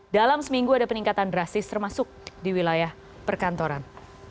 dalam seminggu ada peningkatan drastis termasuk di wilayah perkantoran